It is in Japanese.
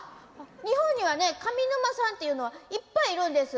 日本にはね上沼さんっていうのはいっぱいいるんです。